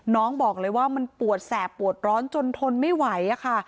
น้องบอกเลยว่ามันปวดแสบปวดร้อนจนทนไม่ไหวค่ะ